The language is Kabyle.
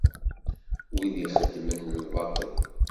Wid ixeddmen lbaṭel.